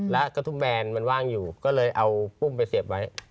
และกระทุ่มแบนมันว่างอยู่ก็เลยเอาปุ้มไปเสียบไว้